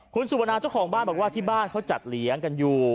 คุณสุวนาเจ้าของบ้านบอกว่าที่บ้านเขาจัดเลี้ยงกันอยู่